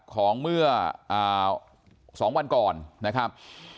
ของเมื่อ๒วันก่อนนะครับ